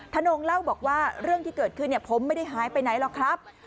นงเล่าบอกว่าเรื่องที่เกิดขึ้นผมไม่ได้หายไปไหนหรอกครับ